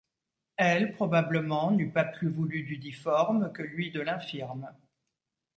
Elle probablement n’eût pas plus voulu du difforme que lui de l’infirme.